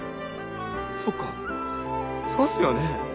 そっかそうっすよね。